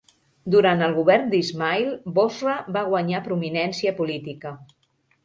Durant el govern d'Ismail, Bosra va guanyar prominència política.